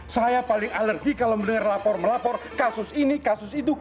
saya paling alergi kalau mendengar lapor melapor kasus ini kasus itu